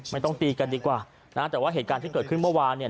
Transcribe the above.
ไม่ต้องตีกันดีกว่านะแต่ว่าเหตุการณ์ที่เกิดขึ้นเมื่อวานเนี่ย